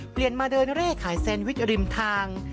เปลี่ยนมาเดินเร่ขายแซนวิชริมทาง